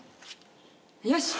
よし。